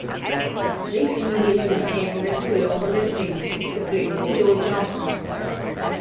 Rix immediately became a regular on the left wing, replacing George Armstrong.